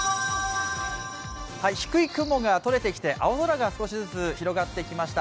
低い雲が取れてきて青空が少しずつ広がってきました。